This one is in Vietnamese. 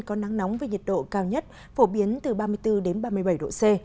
có nắng nóng với nhiệt độ cao nhất phổ biến từ ba mươi bốn đến ba mươi bảy độ c